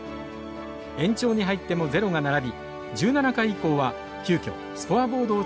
延長に入ってもゼロが並び１７回以降は急きょスコアボードを作って表示しました。